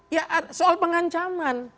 ya soal pengancaman